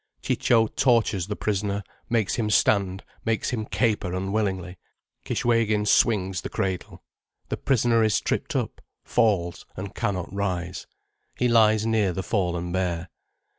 Ciccio tortures the prisoner, makes him stand, makes him caper unwillingly. Kishwégin swings the cradle. The prisoner is tripped up—falls, and cannot rise. He lies near the fallen bear.